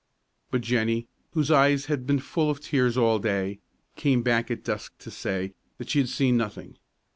But Jennie, whose eyes had been full of tears all day, came back at dusk to say that she had seen nothing.